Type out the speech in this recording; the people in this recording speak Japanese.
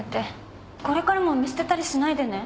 これからも見捨てたりしないでね。